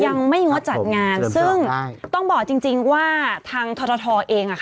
ยังไม่งดจัดงานซึ่งต้องบอกจริงว่าทางทรทเอง